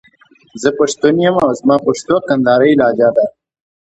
زه پښتون يم او زما پښتو کندهارۍ لهجه ده.